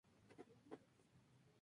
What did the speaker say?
Es uno de los vencejos de mayor tamaño.